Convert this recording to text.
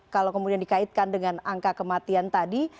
kalau kemudian dikaitkan dengan angka kematian tadi